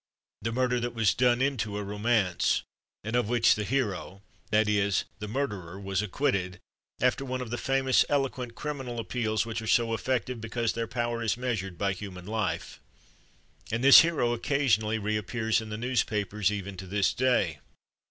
The murder that was done into a romance, and of which the hero that is the murderer was acquitted, after one of the famous eloquent criminal appeals which are so effective because their power is measured by human life. And this hero occasionally reappears in the newspapers even to this day.